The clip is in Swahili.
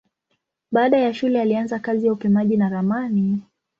Baada ya shule alianza kazi ya upimaji na ramani.